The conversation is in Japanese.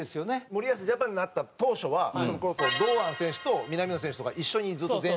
森保ジャパンになった当初はそれこそ堂安選手と南野選手とか一緒にずっと前線にいたから。